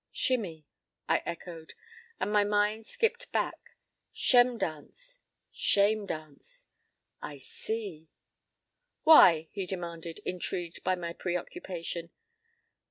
p> "Shimmie," I echoed, and, my mind skipping back: "Shemdance! Shame Dance!—I see!" "Why?" he demanded, intrigued by my preoccupation.